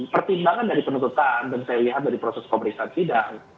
pilihan dari proses pemerintahan tidak